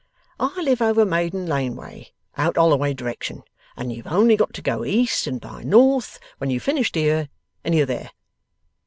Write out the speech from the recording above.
I live over Maiden Lane way out Holloway direction and you've only got to go East and by North when you've finished here, and you're there.